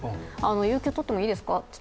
有給休暇取っていいですかと。